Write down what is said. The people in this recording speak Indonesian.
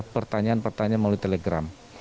pertanyaan pertanyaan melalui telegram